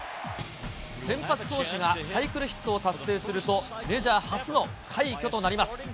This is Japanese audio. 先発投手がサイクルヒットを達成すると、メジャー初の快挙となります。